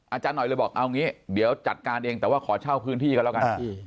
อาจารย์หน่อยเลยบอกเอางี้เดี๋ยวจัดการเองแต่ว่าขอเช่าพื้นที่กันแล้วกัน